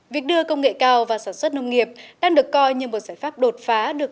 việc đưa công nghệ cao vào sản xuất nông nghiệp đang được coi như một giải pháp đột phá